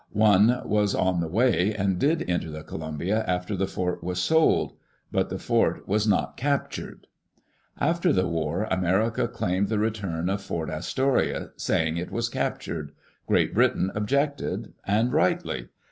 One was on the way, and did enter the Columbia after the fort was sold. But the fort was not captured. After the war, America claimed the return of Fort Astoria, saying it was captured. Great Britain objected, and rightly.